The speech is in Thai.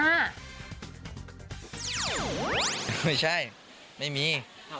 ไม่ใช่ไม่มี